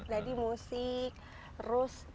jadi musik terus